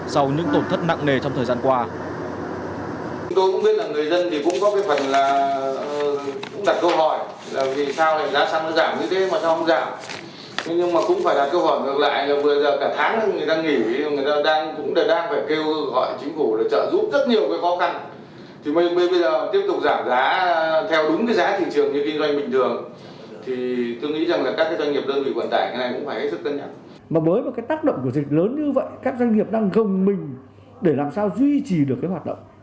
sau những tổn thất nặng nề trong thời gian qua